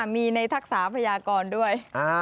มีในทักษะพยากรด้วย